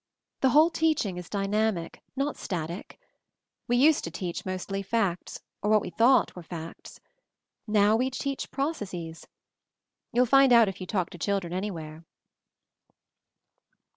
The whole teaching is dynamic — not static. We used to teach mostly facts, or what we thought were facts. Now we teach processes. You'll find out if you talk to children, anywhere."